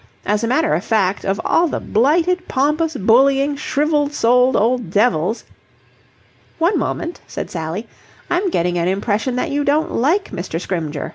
As a matter of fact, of all the blighted, pompous, bullying, shrivelled souled old devils..." "One moment," said Sally. "I'm getting an impression that you don't like Mr. Scrymgeour.